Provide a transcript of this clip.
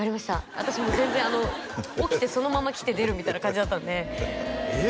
私もう全然起きてそのまま来て出るみたいな感じだったんでええ？